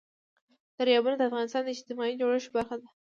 دریابونه د افغانستان د اجتماعي جوړښت برخه ده.